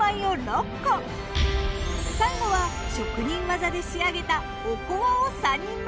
最後は職人技で仕上げたおこわを３人前。